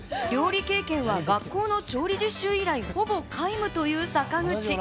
料理経験は学校の調理実習以来ほぼ皆無という坂口。